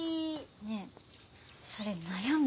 ねえそれ悩む？